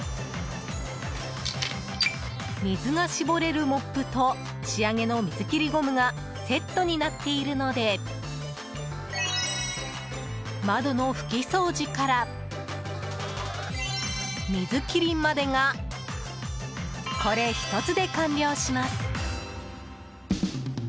水が絞れるモップと仕上げの水切りゴムがセットになっているので窓の拭き掃除から水切りまでがこれ１つで完了します。